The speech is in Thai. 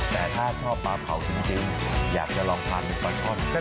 แต่ถ้าชอบปลาเผาจริงอยากจะลองทานปลาช่อน